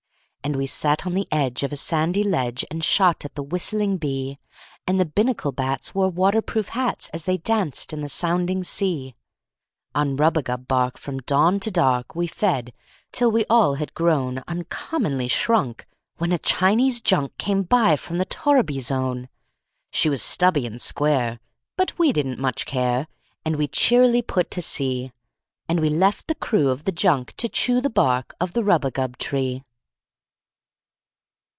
And we sat on the edge of a sandy ledge And shot at the whistling bee; And the Binnacle bats wore water proof hats As they danced in the sounding sea. On rubagub bark, from dawn to dark, We fed, till we all had grown Uncommonly shrunk, when a Chinese junk Came by from the torriby zone. She was stubby and square, but we didn't much care, And we cheerily put to sea; And we left the crew of the junk to chew The bark of the rubagub tree.